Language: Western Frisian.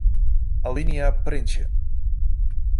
Alinea printsje.